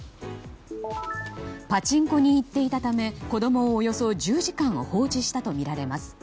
パチンコに行っていたため子供をおよそ１０時間放置したとみられます。